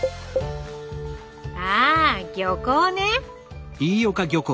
あ漁港ね。